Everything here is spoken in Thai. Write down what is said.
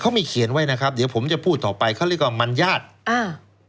เขามีเขียนไว้นะครับเดี๋ยวผมจะพูดต่อไปเขาเรียกว่ามันญาติอ่า